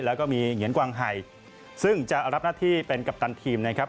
แล้วก็มีเหงียนกวางไห่ซึ่งจะรับหน้าที่เป็นกัปตันทีมนะครับ